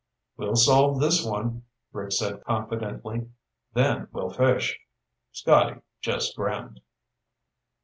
"We'll solve this one," Rick said confidently. "Then we'll fish." Scotty just grinned.